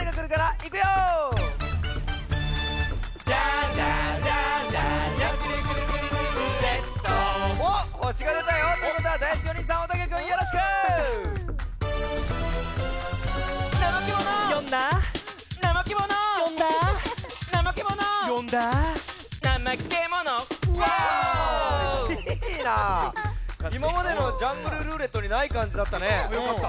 いままでの「ジャングルるーれっと」にないかんじだったね。